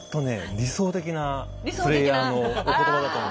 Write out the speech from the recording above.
理想的なプレイヤーのお言葉だと思います。